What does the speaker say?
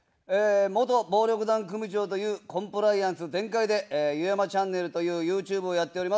元暴力団組長というコンプライアンス全開で、ゆやまチャンネルというＹｏｕＴｕｂｅをやっております。